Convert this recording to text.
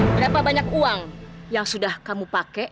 berapa banyak uang yang sudah kamu pakai